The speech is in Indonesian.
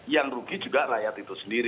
yang rugi juga rakyat itu sendiri